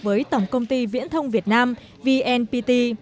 với tổng công ty viễn thông việt nam vnpt